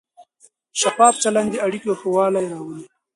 شفاف چلند د اړیکو ښه والی راولي.